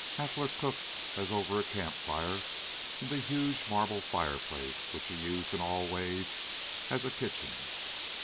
Hafler cooked, as over a campfire, in the huge marble fireplace, which he used in all ways as a kitchen.